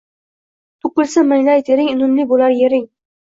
To'kilsa manglay tering, unumli bo'lar yering.